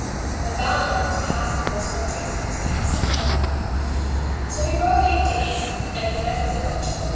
When Balin was past those countries he was passing fain. So he rode eight days or he met with adventure.